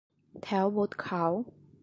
แถวโบสถ์ขาว